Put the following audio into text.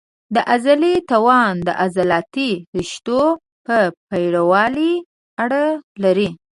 د عضلې توان د عضلاتي رشتو په پېړوالي اړه لري.